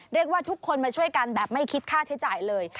ทุกคนมาช่วยกันแบบไม่คิดค่าใช้จ่ายเลย